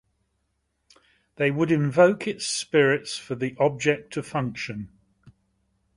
They would invoke its spirits for the object to function.